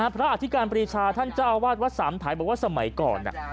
พระอาทิการปริศาท่านเจ้าวาดวัดสามไถบอกว่าสมัยก่อน